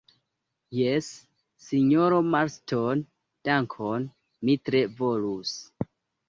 Jes, sinjoro Marston, dankon, mi tre volus.